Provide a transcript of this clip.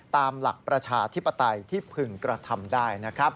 ตามหลักประชาธิปไตยที่พึงกระทำได้นะครับ